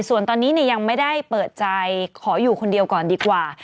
ส่วนตอนนี้ยังไม่ได้เปิดใจขออยู่คนเดียวก่อนดีกว่า